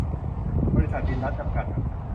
บริษัท ติณรัตน์ จำกัด